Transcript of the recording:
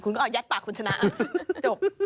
คุณก็เอายัดปากคุณชนะจบ